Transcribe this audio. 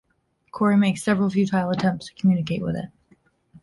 Cory makes several futile attempts to communicate with it.